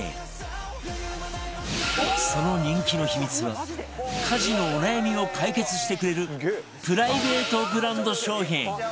その人気の秘密は家事のお悩みを解決してくれるプライベートブランド商品